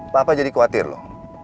papa jadi khawatir loh